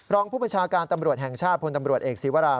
รองผู้บัญชาการตำรวจแห่งชาติพลตำรวจเอกศีวรา